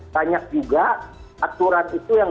banyak juga aturan itu yang